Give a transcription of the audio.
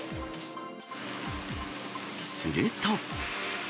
すると。